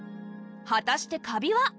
果たしてカビは？